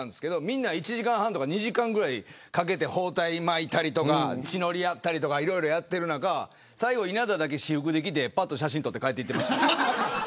みんな１時間半とか２時間ぐらいかけて包帯巻いたりとか血のりを塗ったりしている中最後、稲田だけ私服で来てぱっと写真を撮って帰っていきました。